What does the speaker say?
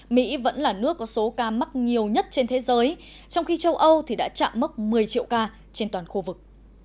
mỹ vẫn là nước có số ca mắc nhiều nhất trên thế giới trong khi châu âu thì đã chạm mức một mươi triệu ca trên toàn khu vực